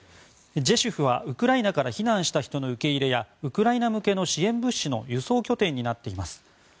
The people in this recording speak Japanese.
ジェシュフはウクライナから避難した人の受け入れやウクライナ向けの支援物資の輸送拠点になっています。